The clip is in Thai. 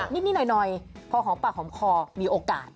นิดหน่อยพอหอมปากหอมคอมีโอกาส